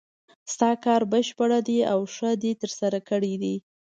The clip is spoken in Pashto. د تا کار بشپړ ده او ښه د ترسره کړې